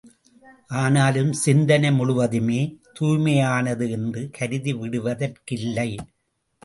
ஆனாலும் சிந்தனை முழுவதுமே துாய்மையானது என்று கருதிவிடுவதற்கில்லை.